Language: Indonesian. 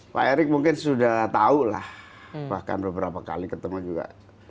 pak erick mungkin sudah tahu lah bahkan beberapa kali ketemu juga